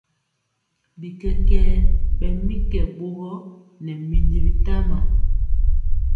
Bikɛkɛ ɓɛ mi kɛ ɓogɔ nɛ minji bitama.